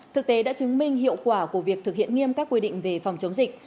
thực tế đã chứng minh hiệu quả của việc thực hiện nghiêm các quy định về phòng chống dịch